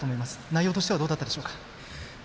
内容としてはどうだったでしょうか？